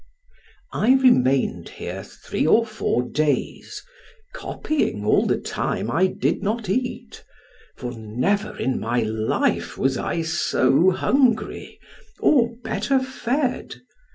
I remained here three or four days, copying all the time I did not eat, for never in my life was I so hungry, or better fed.